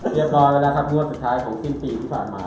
เรียบร้อยแล้วนะครับงวดสุดท้ายของสิ้นปีที่ผ่านมา